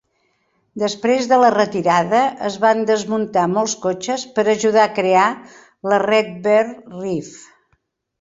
Després de la retirada, es van desmuntar molts cotxes per ajudar a crear la Redbird Reef.